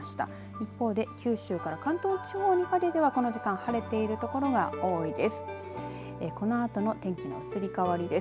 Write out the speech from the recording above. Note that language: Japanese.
一方で九州から関東地方にかけてはこの時間晴れている所が多いです。